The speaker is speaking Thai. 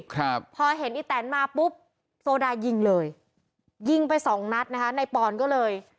ครับพอเห็นอีแตนมาปุ๊บโซดายิงเลยยิงไปสองนัดนะคะในปอนก็เลย